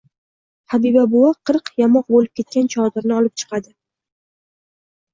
Habiba buvi qirq yamoq bo‘lib ketgan chodirni olib chiqadi.